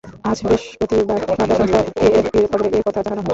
আজ বৃহস্পতিবার বার্তা সংস্থা এএফপির খবরে এ কথা জানানো হয়।